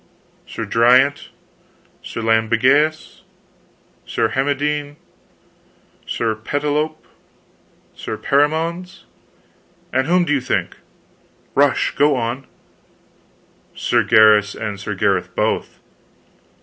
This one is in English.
" Sir Driant, Sir Lambegus, Sir Herminde, Sir Pertilope, Sir Perimones, and whom do you think?" "Rush! Go on." "Sir Gaheris, and Sir Gareth both!"